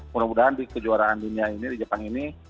mudah mudahan di kejuaraan dunia ini di jepang ini